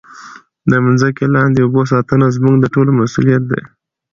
د مځکې لاندې اوبو ساتنه زموږ د ټولو مسؤلیت دی.